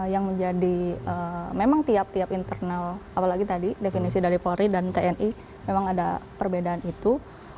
yang menjadi memang tiap tiap internal apalagi tadi definisi dari polri dan tni memang ada perbedaan itu